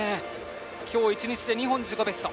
今日１日で２本の自己ベスト。